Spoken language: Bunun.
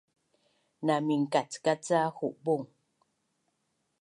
Na minkackac ca hubung